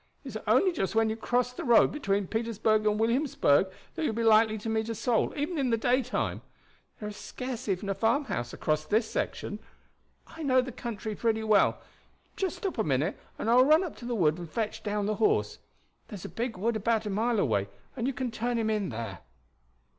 It's only just when you cross the road between Petersburg and Williamsburg that you would be likely to meet a soul, even in the daytime. There is scarce even a farmhouse across this section. I know the country pretty well. Just stop a minute and I will run up to the wood and fetch down the horse. There's a big wood about a mile away, and you can turn him in there."